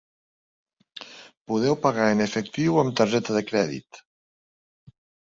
Podeu pagar en efectiu o amb targeta de crèdit.